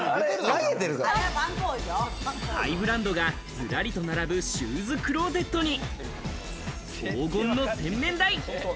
ハイブランドがずらりと並ぶシューズクローゼットに黄金の洗面台。